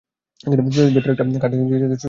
ভেতরে একটা কার্ড আছে যেটাতে ছবি বা ভিডিয়ো জমা হয়।